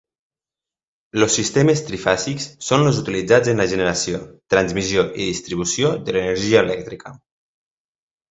Els sistemes trifàsics són els utilitzats en la generació, transmissió i distribució de l'energia elèctrica.